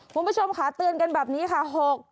คุณผู้ชมค่ะเตือนกันแบบนี้ค่ะ